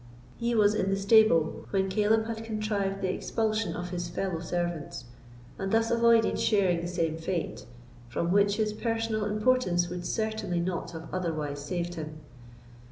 He was in the stable when Caleb had contrived the expulsion of his fellow servants, and thus avoided sharing the same fate, from which his personal importance would certainly not have otherwise saved him.